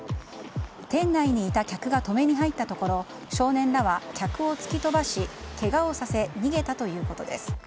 店内にいた客が止めに入ったところ少年らは客を突き飛ばしけがをさせ逃げたということです。